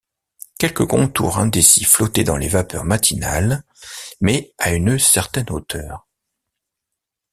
Quelques contours indécis flottaient dans les vapeurs matinales, mais à une certaine hauteur.